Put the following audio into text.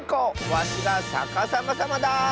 わしがさかさまさまだ！